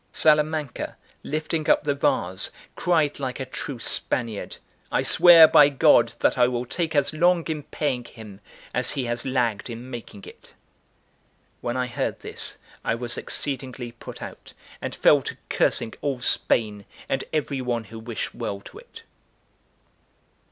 Salamanca, lifting up the vase, cried like a true Spaniard: "I swear by God that I will take as long in paying him as he has lagged in making it." When I heard this, I was exceedingly put out, and fell to cursing all Spain and every one who wished well to it.